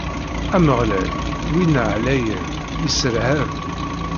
Ameɣlal, Win Ɛlayen, isserhab.